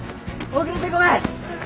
遅れてごめん！